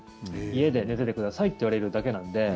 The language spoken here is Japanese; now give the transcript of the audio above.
家で寝ててくださいって言われるだけなんで。